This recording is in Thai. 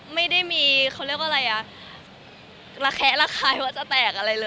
ไม่ได้มีดัวเล่นว่าอะไรละแคะละคายว่าจะแตกอะไร